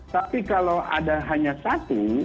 tapi kalau ada hanya satu